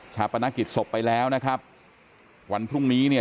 ปนกิจศพไปแล้วนะครับวันพรุ่งนี้เนี่ย